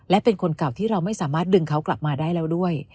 และเป็นคนเก่าที่เราไม่สามารถดึงเขากลับมาได้แล้วด้วย